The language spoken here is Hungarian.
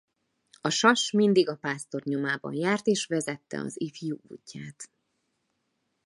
A sas mindig a pásztor nyomában járt és vezette az ifjú útját.